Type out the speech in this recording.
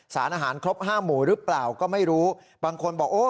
สารอาหารครบห้าหมู่หรือเปล่าก็ไม่รู้บางคนบอกโอ้